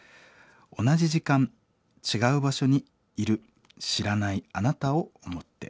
同じ時間違う場所にいる知らないあなたを思って。